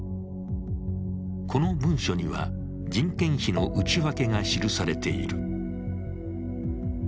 この文書には人件費の内訳が記されている。